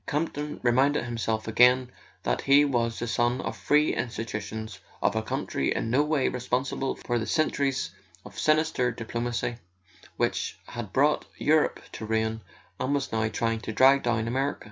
Campton reminded himself again that he was the son of free institutions, of a country in no way responsible for the centuries of sinister diplo¬ macy which had brought Europe to ruin, and was now trying to drag down America.